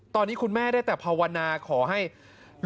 ตอนนี้คุณแม่ได้แต่ภาวนาขอให้